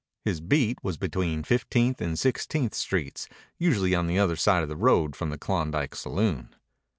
His beat was between Fifteenth and Sixteenth Streets, usually on the other side of the road from the Klondike Saloon.